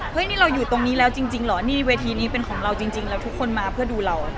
นี่เราอยู่ตรงนี้แล้วจริงเหรอนี่เวทีนี้เป็นของเราจริงแล้วทุกคนมาเพื่อดูเรา